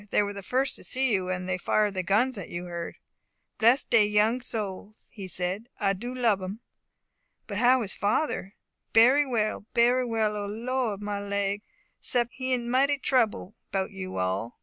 They were the first to see you; and they fired the guns that you heard." "Bless dey young soul," he said, "I do lub 'em." "But how is father?" "Berry well berry well O Lord my leg! 'sept he in mighty trouble 'bout you all."